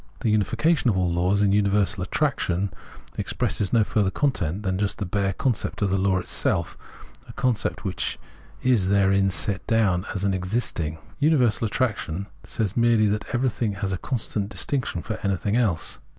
The unification of all laws in universal attraction expresses no fiu'ther content than just the bare concept of the law itself, a concept which is therein set doAvn as exist ing. Universal attraction says merely that everything has a constant distinction for anything else.